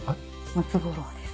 ムツゴロウです。